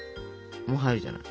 もう入るじゃない。